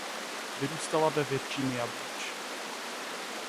Vyrůstala ve Virginia Beach.